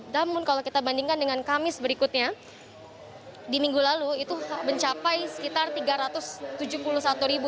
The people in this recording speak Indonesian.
namun kalau kita bandingkan dengan kamis berikutnya di minggu lalu itu mencapai sekitar tiga ratus tujuh puluh satu ribu